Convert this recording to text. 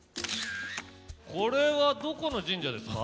これはどこの神社ですか？